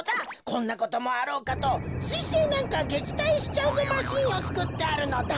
こんなこともあろうかとすいせいなんかげきたいしちゃうぞマシンをつくってあるのだ。